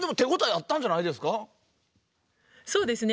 「そうですね。